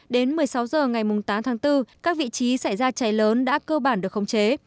đến một mươi sáu h ngày tám tháng bốn các vị trí xảy ra cháy lớn đã cơ bản được khống chế